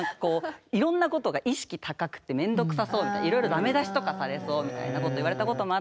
いろんなことが意識高くて面倒くさそうみたいいろいろダメ出しとかされそうみたいなこと言われたこともあったので。